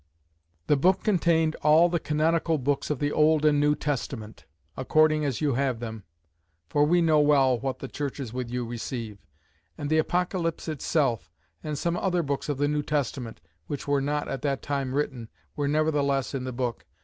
The Book contained all the canonical books of the Old and New Testament, according as you have them; (for we know well what the churches with you receive); and the Apocalypse itself, and some other books of the New Testament, which were not at that time written, were nevertheless in the Book.